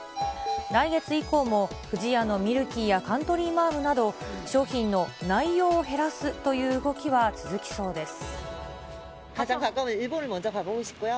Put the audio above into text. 来月以降も不二家のミルキーやカントリーマアムなど、商品の内容を減らすという動きは続きそうです。